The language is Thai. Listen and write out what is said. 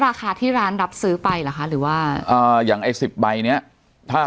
ราคาที่ร้านรับซื้อไปเหรอคะหรือว่าอ่าอย่างไอ้สิบใบเนี้ยถ้า